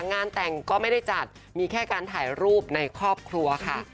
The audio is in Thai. งานแต่งก็ไม่ได้จัดมีแค่การถ่ายรูปในครอบครัวค่ะ